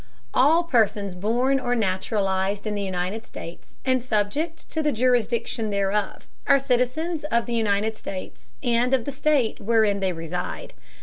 All persons born or naturalized in the United States, and subject to the jurisdiction thereof, are citizens of the United States and of the State wherein they reside.